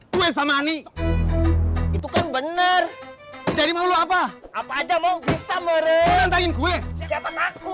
gue sama ani itu kan bener jadi mau apa apa aja mau bisa merek nantangin gue siapa takut